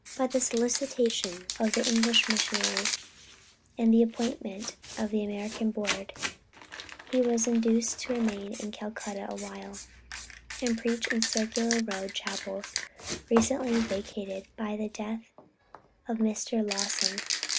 By the solicitation of the English missionaries, and the appointment of the American Board, he was induced to remain in Calcutta a while, and preach in Circular Road Chapel, recently vacated by the death of Mr. Lawson.